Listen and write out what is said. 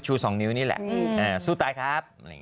ฮูสองนิ้วนี่แหละซู่ตายครับ